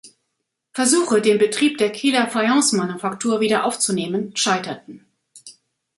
Versuche, den Betrieb der Kieler Fayencemanufaktur wieder aufzunehmen, scheiterten.